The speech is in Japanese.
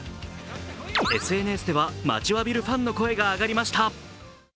ＳＮＳでは、待ちわびるファンの声が上がりました。